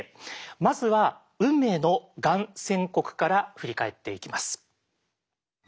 まずは運命のがん宣告から振り返っていきます。